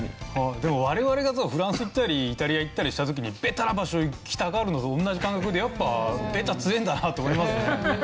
でも我々がフランス行ったりイタリア行ったりした時にベタな場所行きたがるのと同じ感覚でやっぱベタ強えんだなって思いますね。